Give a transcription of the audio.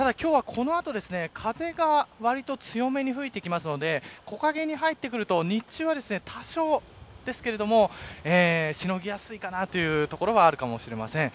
今日はこの後、風がわりと強めに吹いてきますので木陰に入ってくると日中は多少ですがしのぎやすいかな、というところはあるかもしれません。